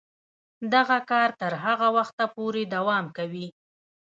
دغه کار تر هغه وخته پورې دوام کوي.